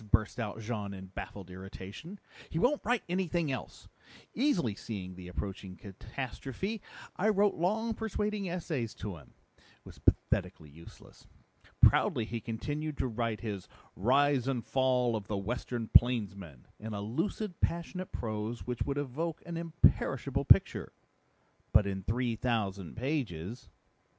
burst out Jean in baffled irritation. "He won't write anything else! Easily seeing the approaching catastrophe, I wrote long persuading essays to him. It was pathetically useless. Proudly he continued to write his Rise and Fall of the Western Plainsman in a lucid, passionate prose which would evoke an imperishable picture but in three thousand pages."